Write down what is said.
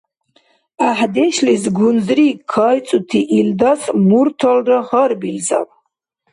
ГӀяхӀдешлис гунзри кайцӀути илдас мурталра гьарбилзаб.